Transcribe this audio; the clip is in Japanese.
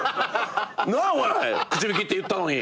何やお前口火切って言ったのに。